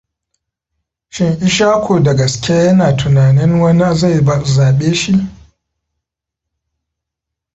Shin Ishaku da gaske yana tunanin wani zai zabe shi?